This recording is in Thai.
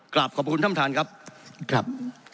กลับขอบคุณท่านครับครับ